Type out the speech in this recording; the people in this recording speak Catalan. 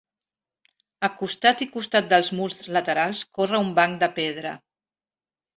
A costat i costat dels murs laterals corre un banc de pedra.